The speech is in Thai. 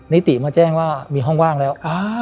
นิติมาแจ้งว่ามีห้องว่างแล้ว